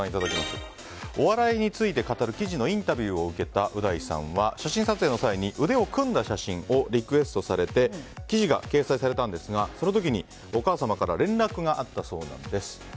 お笑いについて語る記事のインタビューを受けたう大さんは写真撮影の際に腕を組んだ写真をリクエストされて記事が掲載されたんですがその時に、お母さまから連絡があったそうなんです。